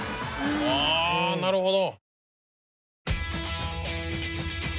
ああなるほど！